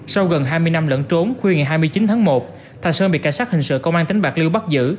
sau gần hai mươi năm lẫn trốn khuya ngày hai mươi chín tháng một thạch sơn bị cảnh sát hình sự công an tỉnh bạc liêu bắt giữ